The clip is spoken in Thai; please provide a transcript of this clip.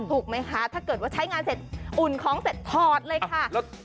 ถูกไหมคะถ้าเกิดว่าใช้งานเสร็จอุ่นของเสร็จถอดเลยค่ะ